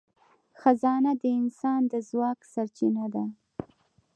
خزانه د انسان د ځواک سرچینه ده.